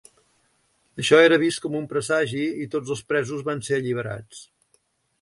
Això era vist com un presagi i tots els presos van ser alliberats.